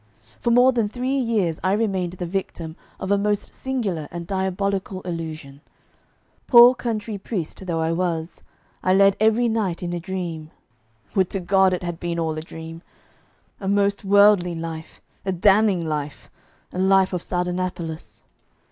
For more than three years I remained the victim of a most singular and diabolical illusion. Poor country priest though I was, I led every night in a dream would to God it had been all a dream! a most worldly life, a damning life, a life of Sardanapalus.